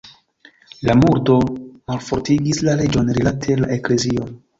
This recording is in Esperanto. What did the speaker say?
La murdo malfortigis la reĝon rilate la eklezion.